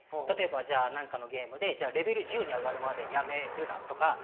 例えばじゃあ何かのゲームでレベル１０に上がるまでやめるなとか。